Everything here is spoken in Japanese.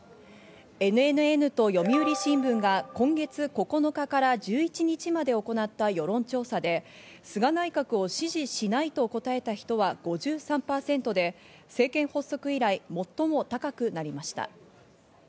ＮＮＮと読売新聞が今月９日から１１日まで行った世論調査で、菅内閣を支持しないと答えた人は５３％で政権発足以来、最も高くなりました。